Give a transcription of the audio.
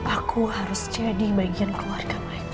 aku harus jadi bagian keluarga mereka